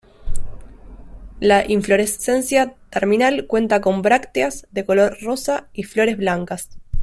La inflorescencia terminal cuenta con brácteas de color rosa y flores blancas.